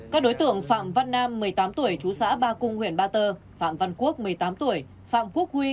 các đối tượng phạm văn nam một mươi tám tuổi chú xã ba cung huyện ba tơ phạm văn quốc một mươi tám tuổi phạm quốc huy